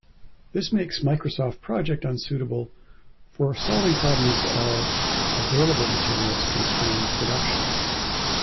This makes Microsoft Project unsuitable for solving problems of available materials constrained production.